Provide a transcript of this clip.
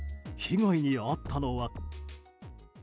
被害に遭ったのは。